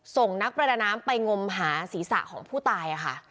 ส่งนักประดาน้ำไปงมหาศีรษะของผู้ตายค่ะ